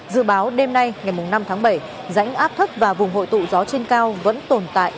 dự báo đêm nay ngày năm tháng bảy rãnh áp thấp và vùng hội tụ gió trên cao vẫn tồn tại